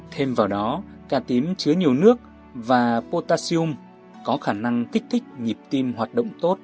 thêm vào đó cá tím chứa nhiều nước và potaxium có khả năng kích thích nhịp tim hoạt động tốt